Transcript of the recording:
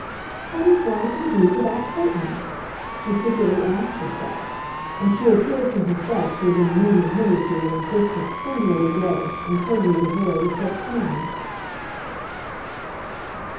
"What is life, indeed, without curtains?" she secretly asked herself; and she appeared to herself to have been leading hitherto an existence singularly garish and totally devoid of festoons.